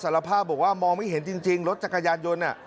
ภาพบอกว่ามองไม่เห็นจริงรถจักรยานยนต์